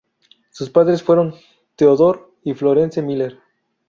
Sus padres fueron Theodor y Florence Miller.